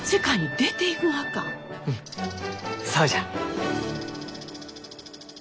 うんそうじゃ！